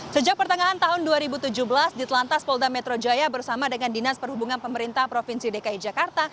sejak pertengahan tahun dua ribu tujuh belas di telantas polda metro jaya bersama dengan dinas perhubungan pemerintah provinsi dki jakarta